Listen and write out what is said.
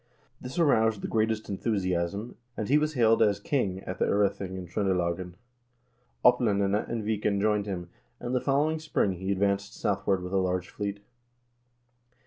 This aroused the greatest enthusiasm, and he was hailed as king at the 0rething in Tr0ndelagen. Oplandene and Viken joined him, and the following spring he advanced south ward with a large fleet.